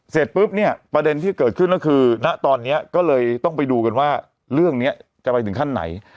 เสร็จปุ๊บเนี่ยประเด็นที่เกิดขึ้นก็คือณตอนนี้ก็เลยต้องไปดูกันว่าเรื่องนี้จะไปถึงขั้นไหน